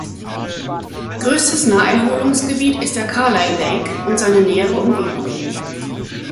Größtes Naherholungsgebiet ist der Carlyle Lake und seine nähere Umgebung.